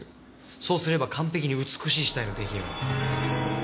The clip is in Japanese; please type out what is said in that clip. そうすれば完璧に美しい死体の出来上がり。